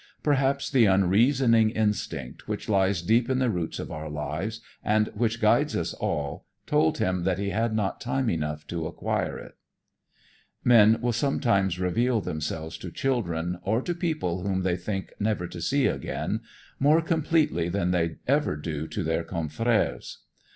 Perhaps the unreasoning instinct which lies deep in the roots of our lives, and which guides us all, told him that he had not time enough to acquire it. Men will sometimes reveal themselves to children, or to people whom they think never to see again, more completely than they ever do to their confreres.